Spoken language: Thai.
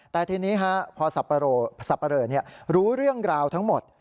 แต่ทีนี้พอสับปะเลอรู้เรื่องราวทั้งหมด